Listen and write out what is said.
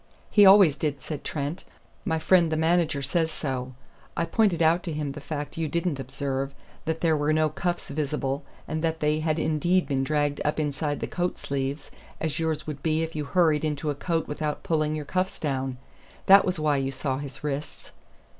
"He always did," said Trent. "My friend the manager says so. I pointed out to him the fact you didn't observe, that there were no cuffs visible, and that they had indeed been dragged up inside the coat sleeves, as yours would be if you hurried into a coat without pulling your cuffs down. That was why you saw his wrists."